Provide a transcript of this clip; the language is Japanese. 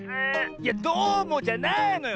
いや「どうも」じゃないのよ！